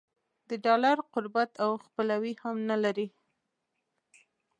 د ډالر قربت او خپلوي هم نه لري.